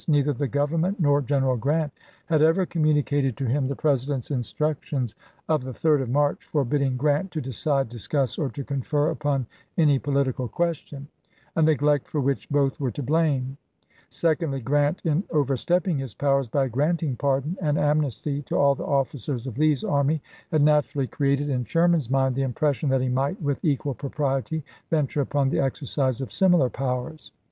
Neither the Government nor General Grant had ever communicated to him the Sherman, "Memoirs." Vol. II., pp. 356, 357. JOHNSTON'S SURRENDER 249 President's instructions of the 3d of March for chap, xil bidding Grant to "decide, discuss, or to confer upon any political question "; a neglect for which both were to blame. Secondly, Grant, in over stepping his powers by granting pardon and amnesty to all the officers of Lee's army, had naturally created in Sherman's mind the impression that he might with equal propriety venture upon the exercise of similar powers.